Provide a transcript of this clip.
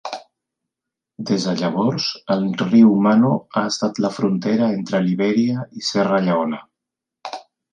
Des de llavors, el riu Mano ha estat la frontera entre Libèria i Serra Lleona.